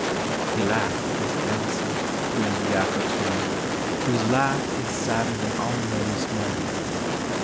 " He laughed as he answered, grim Gaffer Time, Whose laugh is sadder than all men s moan.